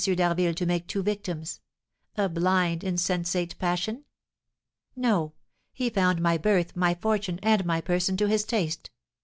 d'Harville to make two victims? A blind, insensate passion? No; he found my birth, my fortune, and my person, to his taste.